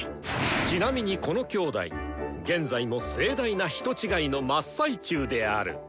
ちなみにこの兄弟現在も盛大な人違いの真っ最中である。